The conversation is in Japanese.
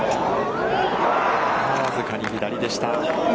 僅かに左でした。